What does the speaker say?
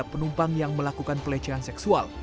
penumpang yang melakukan pelecehan seksual